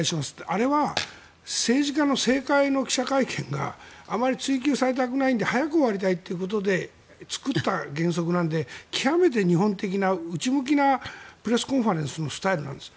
あれは政治家の政界の記者会見があまり追及されたくないので早く終わりたいということで作った原則なので極めて日本的な、内向きなプラスコンファレンスなスタイルなんです。